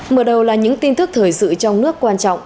mở đầu là những tin tức thời sự trong nước quan trọng